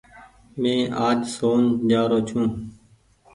مينٚ آج شون جآ رو ڇو